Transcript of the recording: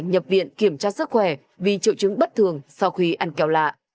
hiện kiểm tra sức khỏe vì triệu chứng bất thường sau khi ăn kẹo lạ